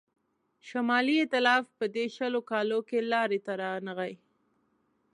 شمالي ایتلاف په دې شلو کالو کې لاري ته رانغی.